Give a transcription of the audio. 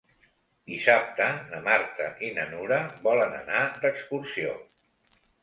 Dissabte na Marta i na Nura volen anar d'excursió.